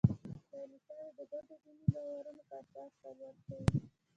کلیساوې د ګډو دیني باورونو په اساس فعالیت کوي.